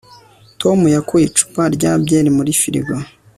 tom yakuye icupa rya byeri muri firigo